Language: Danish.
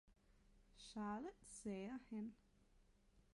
"Charlot, sagde han."